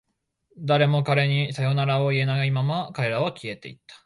誰も彼らにさよならを言えないまま、彼らは消えていった。